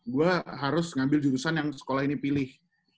gue harus ngambil jurusan yang sekolah ini pilih